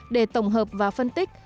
để tổng hợp và phân tích